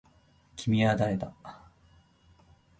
君は誰だ